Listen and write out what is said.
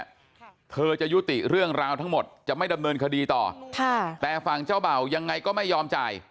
ค่ะเธอจะยุติเรื่องราวทั้งหมดจะไม่ดำเนินคดีต่อค่ะแต่ฝั่งเจ้าเบ่ายังไงก็ไม่ยอมจ่าย